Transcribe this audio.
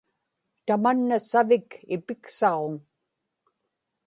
tamanna savik ipiksaġuŋ